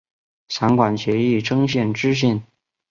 散馆授仪征县知县。